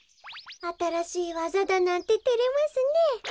あたらしいわざだなんててれますねえ。